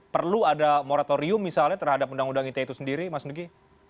perlu ada moratorium misalnya terhadap undang undang ite itu sendiri mas nugi